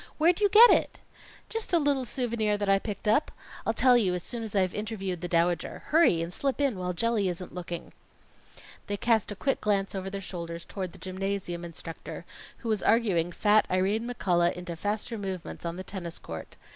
Where'd you get it?" "Just a little souvenir that I picked up. I'll tell you as soon as I've interviewed the Dowager. Hurry, and slip in while Jelly isn't looking." They cast a quick glance over their shoulders toward the gymnasium instructor, who was arguing fat Irene McCullough into faster movements on the tennis court.